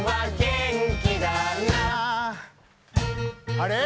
あれ？